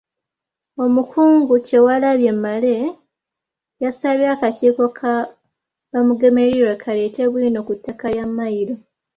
Omukungu Kyewalabye Male yasabye akakiiko ka Bamugemereire kaleete bwino ku ttaka lya Mmayiro.